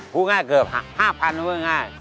พูดง่ายเกือบ๕๐๐พูดง่าย